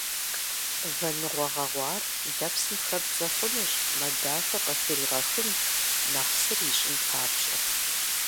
Вэныгъуэ гъэгъуар лэпсым хэбдзэ хъунущ, мэ дахэ къыхригъэхын, нэхъ сыр ищӏын папщӏэ.